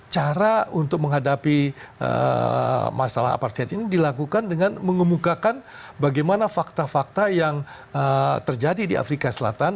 cara untuk menghadapi masalah aparted ini dilakukan dengan mengemukakan bagaimana fakta fakta yang terjadi di afrika selatan